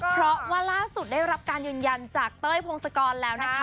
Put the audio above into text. เพราะว่าล่าสุดได้รับการยืนยันจากเต้ยพงศกรแล้วนะคะ